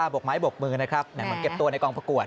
บกไม้บกมือนะครับเหมือนเก็บตัวในกองประกวด